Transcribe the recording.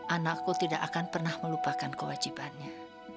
anakku tidak akan pernah melupakan kewajibannya